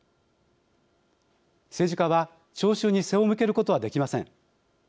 政治家は聴衆に背を向けることはできません。